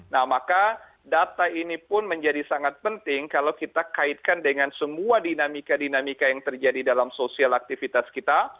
nah maka data ini pun menjadi sangat penting kalau kita kaitkan dengan semua dinamika dinamika yang terjadi dalam sosial aktivitas kita